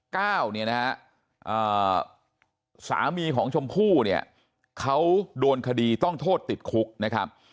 ก้าวเนี่ยนะฮะสามีของชมพู่เนี่ยเขาโดนคดีต้องโทษติดคุกนะครับ